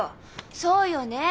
そうよねえ。